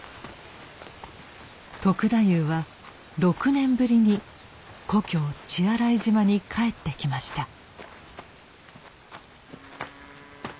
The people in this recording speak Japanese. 篤太夫は６年ぶりに故郷血洗島に帰ってきました。